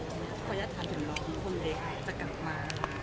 ก็ยัดถามถึงน้องคนเล็กจะกลับมา